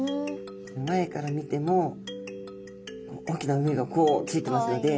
前から見ても大きな目がこうついてますので。